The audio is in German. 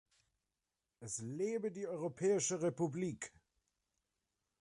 Es lebe die Europäische Republik!